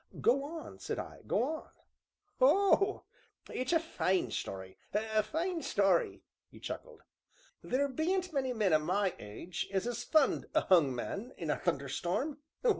"Go on," said I, "go on." "Oh! it's a fine story, a fine story!" he chuckled. "Theer bean't many men o' my age as 'as fund a 'ung man in a thunderstorm!